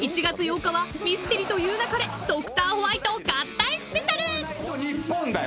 ［１月８日は『ミステリと言う勿れ』『ドクターホワイト』合体スペシャル］